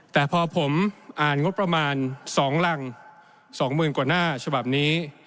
แต่พอผมอ่านงบประมาณ๒รัง๒๐๐๐กว่าหน้าฉบับนี้